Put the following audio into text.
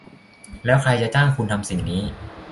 และใครจ้างคุณทำสิ่งนี้